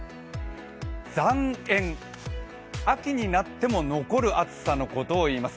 残炎、秋になっても残る暑さのことをいいます。